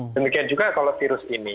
demikian juga kalau virus ini